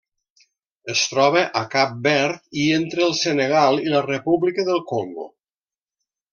Es troba a Cap Verd i entre el Senegal i la República del Congo.